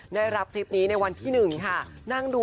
แต่จะพยายามนะค่ะ